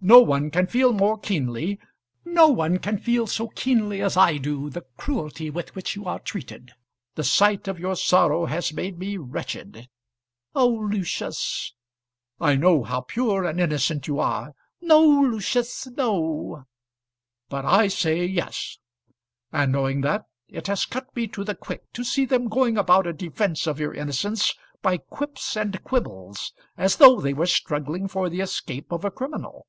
"No one can feel more keenly, no one can feel so keenly as I do, the cruelty with which you are treated. The sight of your sorrow has made me wretched." "Oh, Lucius!" "I know how pure and innocent you are " "No, Lucius, no." "But I say yes; and knowing that, it has cut me to the quick to see them going about a defence of your innocence by quips and quibbles, as though they were struggling for the escape of a criminal."